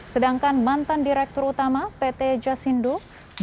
sedangkan mantan direktur utama pt jasindo budi cahyono yang telah lebih dulu masuk ke persidangan